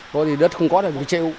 thôi thì đất không có là phải trêu